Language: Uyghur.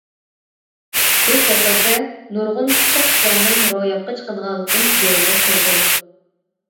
بۇ سەپەردىن نۇرغۇن قۇتلۇق ئىشلارنىڭ روياپقا چىقىدىغانلىقى بىلىنىپ تۇرىدۇ.